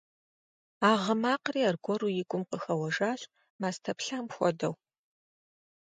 А гъы макъри аргуэру и гум къыхэуэжащ мастэ плъам хуэдэу.